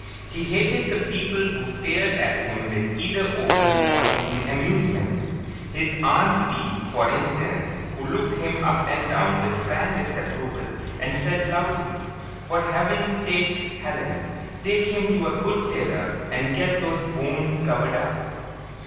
He hated the people who stared at him with either open or hidden amusement. His Aunt Bee, for instance, who looked him up and down with frank disapproval and said loudly, "For Heavens sake, Helen! Take him to a good tailor and get those bones covered up!"